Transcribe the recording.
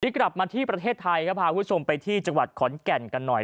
กลับมาที่ประเทศไทยครับพาคุณผู้ชมไปที่จังหวัดขอนแก่นกันหน่อย